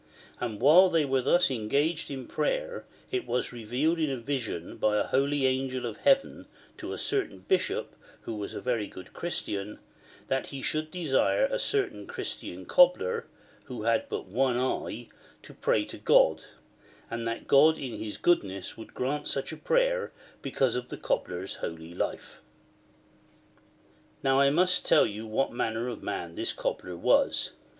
And whilst they were thus engaged in prayer it was revealed in a vision by a Holy Angel of Heaven to a certain Bishop who was a very good Christian, that he should desire a certain Christian Cobler, ^ who had but one eye, to pray to God; and that God in His goodness would grant such prayer because of the Cobler's holy life. Now I must tell you what manner of man this Cobler was.